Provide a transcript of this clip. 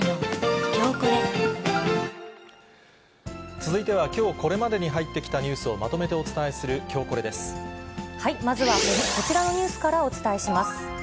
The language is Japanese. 続いては、きょうこれまでに入ってきたニュースをまとめてお伝えする、まずはこちらのニュースからお伝えします。